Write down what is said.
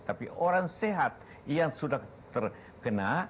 tapi orang sehat yang sudah terkena